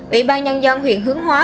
ủy ban nhân dân huyện hướng hóa